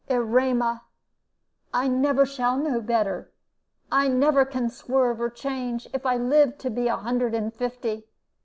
"Erema, I never shall know better. I never can swerve or change, if I live to be a hundred and fifty.